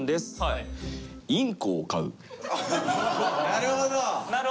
なるほど。